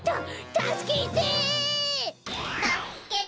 たすけて。